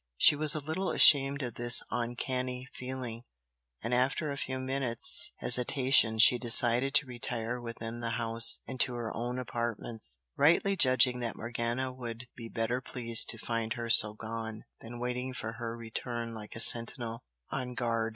She was a little ashamed of this "uncanny" feeling, and after a few minutes' hesitation she decided to retire within the house and to her own apartments, rightly judging that Morgana would be better pleased to find her so gone than waiting for her return like a sentinel on guard.